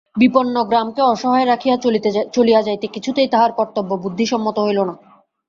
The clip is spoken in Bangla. বিপন্ন গ্রামকে অসহায় রাখিয়া চলিয়া যাইতে কিছুতেই তাহার কর্তব্যবুদ্ধি সম্মত হইল না।